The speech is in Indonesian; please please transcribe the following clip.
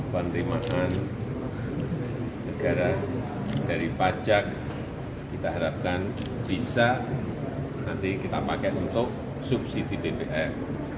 penerimaan negara dari pajak kita harapkan bisa nanti kita pakai untuk subsidi bbm